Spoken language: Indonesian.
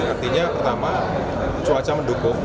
artinya pertama cuaca mendukung